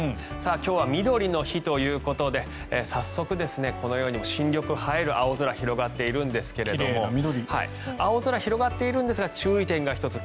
今日はみどりの日ということで早速、このように新緑映える青空広がっているんですが青空広がっているんですが注意点が１つ。